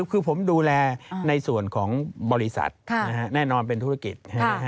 คือผมดูแลในส่วนของบริษัทแน่นอนเป็นธุรกิจ